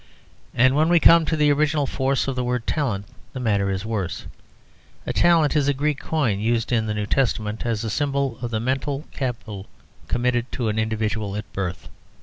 And when we come to the original force of the word "talent" the matter is worse: a talent is a Greek coin used in the New Testament as a symbol of the mental capital committed to an individual at birth.